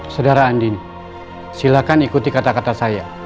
saudara andini silahkan ikuti kata kata saya